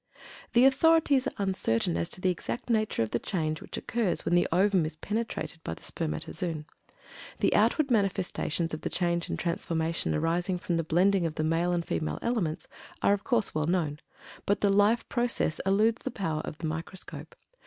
The authorities are uncertain as to the exact nature of the change which occurs when the ovum is penetrated by the spermatozoon. The outward manifestations of the change and transformation arising from the blending of the male and female elements are of course well known, but the "life process" eludes the power of the microscope.